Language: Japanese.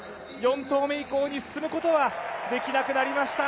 ４投目以降に進むことはできなくなりました。